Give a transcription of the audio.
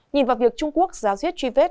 nhìn vào việc trung quốc giáo duyết truy vết